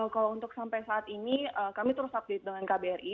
kalau untuk sampai saat ini kami terus update dengan kbri